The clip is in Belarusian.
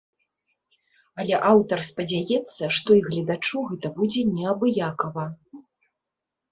Але аўтар спадзяецца, што і гледачу гэта будзе неабыякава.